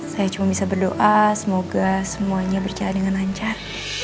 saya cuma bisa berdoa semoga semuanya berjalan dengan lancar